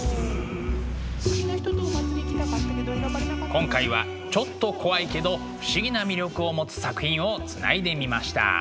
今回はちょっと怖いけど不思議な魅力を持つ作品をつないでみました。